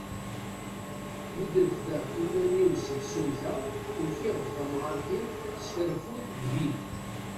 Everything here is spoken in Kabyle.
Mi d-refdeɣ iman-iw si tsumta, ukiɣ-d, tamɣart-iw tesfarfud deg-i.